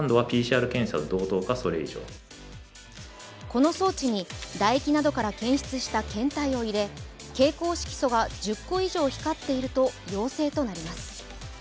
この装置に唾液などから検出した検体を入れ蛍光色素が１０個以上光っていると陽性となります。